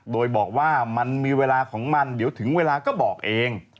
โดยบอกว่ามันมีเวลาของมันเดี๋ยวถึงเวลาก็บอกเอง